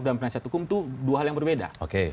dalam penasihat hukum itu dua hal yang berbeda